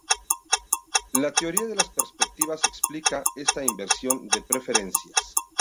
La teoría de las perspectivas explica esta inversión de preferencias.